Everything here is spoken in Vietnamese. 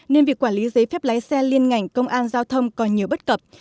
nên việc quản lý giấy phép lái xe liên ngành công an giao thông còn nhiều bất cập